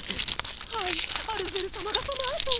はいアルゼル様がそのあとを。